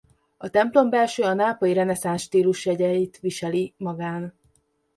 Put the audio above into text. A templombelső a nápolyi reneszánsz stílusjegyeit viseli magán.